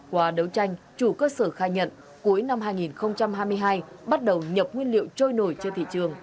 qua đấu tranh chủ cơ sở khai nhận cuối năm hai nghìn hai mươi hai bắt đầu nhập nguyên liệu trôi nổi trên thị trường